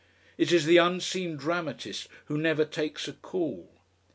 It is the unseen dramatist who never takes a call.